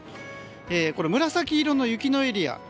紫色の雪のエリア